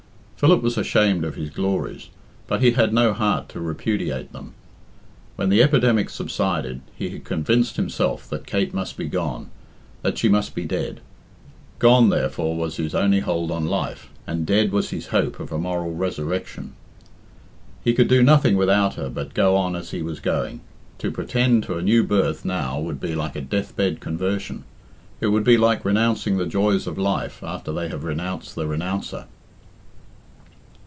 Philip was ashamed of his glories, but he had no heart to repudiate them. When the epidemic subsided, he had convinced himself that Kate must be gone, that she must be dead. Gone, therefore, was his only hold on life, and dead was his hope of a moral resurrection. He could do nothing without her but go on as he was going. To pretend to a new birth now would be like a death bed conversion; it would be like renouncing the joys of life after they have renounced the renouncer.